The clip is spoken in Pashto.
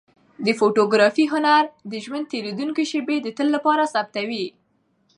د فوتوګرافۍ هنر د ژوند تېرېدونکې شېبې د تل لپاره ثبتوي.